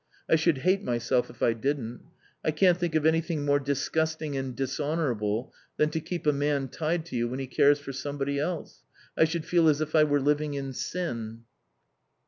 I should hate myself if I didn't. I can't think of anything more disgusting and dishonourable than to keep a man tied to you when he cares for somebody else. I should feel as if I were living in sin."